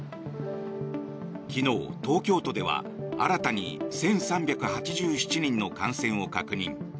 昨日、東京都では新たに１３８７人の感染を確認。